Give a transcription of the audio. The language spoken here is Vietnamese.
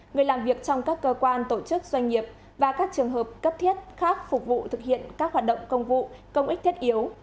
người làm việc trong các cơ quan tổ chức doanh nghiệp và các trường hợp cấp thiết khác phục vụ thực hiện các hoạt động công vụ công ích thiết yếu